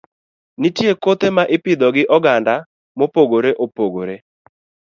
Nitiere kothe ma ipidho gi oganda mopogore opogore.